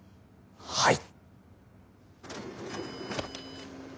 はい！